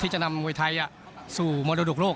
ที่จะนำมวยไทยสู้มดดุกโลก